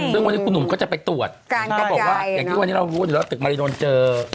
ซึ่งวันนี้คุณหนุ่มเขาจะไปตรวจก็บอกว่าอย่างที่วันนี้เราวุ่นแล้วตึกมาริดนเจอ